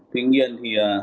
tuy nhiên thì